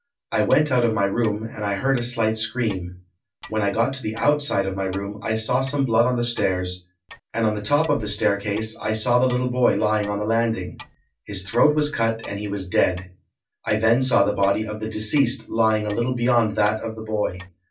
I went out of my room, and I heard a slight scream. When I got to the outside of my room, I saw some blood on the stairs, and on the top of the staircase I saw the little boy lying on the landing. His throat was cut and he was dead. I then saw the body of the deceased lying a little beyond that of the boy.